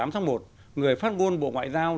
một mươi tám tháng một người phát ngôn bộ ngoại giao